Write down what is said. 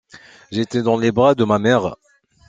J’étais dans les bras de ma mère.